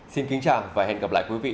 xin kính chào và hẹn gặp lại quý vị